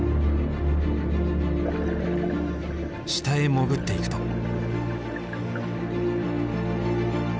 下へ潜っていくと。